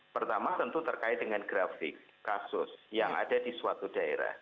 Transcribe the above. pertama tentu terkait dengan grafik kasus yang ada di suatu daerah